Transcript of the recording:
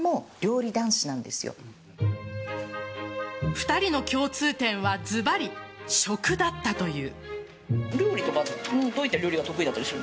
２人の共通点はずばり、食だったという。